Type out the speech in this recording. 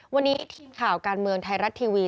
วันนี้ทีมข่าวการเมืองไทยรัฐทีวี